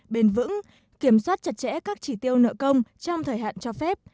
bền vững kiểm soát chặt chẽ các chỉ tiêu nợ công trong thời hạn cho phép